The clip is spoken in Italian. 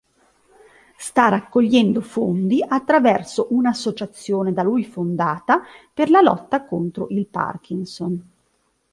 Sta raccogliendo fondi attraverso un'associazione da lui fondata per la lotta contro il Parkinson.